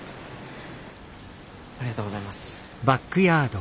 ありがとうございます。